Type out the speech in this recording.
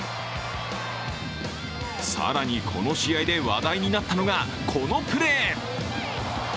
更に、この試合で話題になったのがこのプレー。